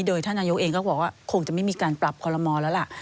โดยท่านนายกเองก็บอกว่าคงจะไม่มีการปรับคอลโมแล้วล่ะ